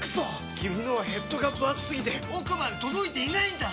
君のはヘッドがぶ厚すぎて奥まで届いていないんだっ！